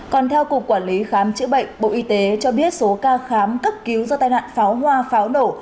còn theo cục quản lý khám chữa bệnh bộ y tế cho biết số ca khám cấp cứu do tai nạn pháo hoa pháo nổ